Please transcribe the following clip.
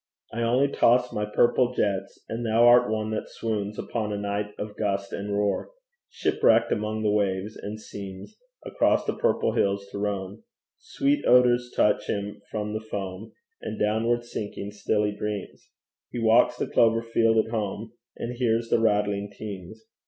I only toss my purple jets, And thou art one that swoons Upon a night of gust and roar, Shipwrecked among the waves, and seems Across the purple hills to roam; Sweet odours touch him from the foam, And downward sinking still he dreams He walks the clover field at home, And hears the rattling teams.